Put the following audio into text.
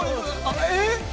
えっ！？